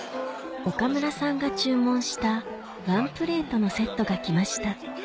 岡村さんが注文したワンプレートのセットが来ました